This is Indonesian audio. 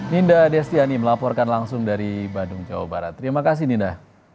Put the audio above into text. ninda destiani melaporkan langsung dari bandung jawa barat terima kasih ninda